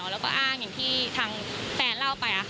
แล้วก็อ้างอย่างที่ทางแฟนเล่าไป